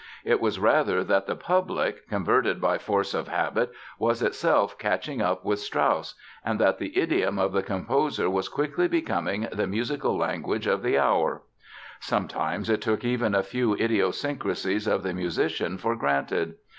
It was, rather, _that the public, converted by force of habit, was itself catching up with Strauss and that the idiom of the composer was quickly becoming the musical language of the hour_. Sometimes it took even a few idiosyncrasies of the musician for granted.